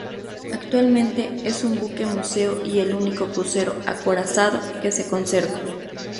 Actualmente es un buque museo y el único crucero acorazado que se conserva.